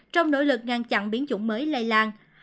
trong nỗ lực ngăn chặn biến chủng mới lây lan